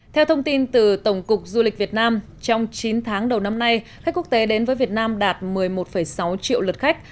theo thông tin từ tổng cục du lịch việt nam trong chín tháng đầu năm nay khách quốc tế đến với việt nam đạt một mươi một sáu triệu lượt khách